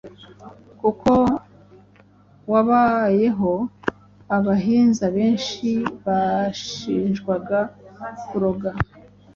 kuko wabayeho abahinza benshi bashinjwaga kuroga,